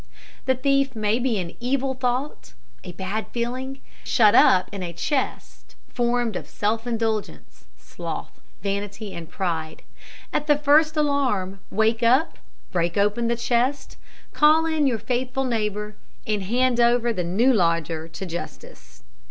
The thief may be an evil thought, a bad feeling, shut up in a chest formed of self indulgence, sloth, vanity, pride. At the first alarm, wake up, break open the chest, call in your faithful neighbour, and hand over the new lodger to justice.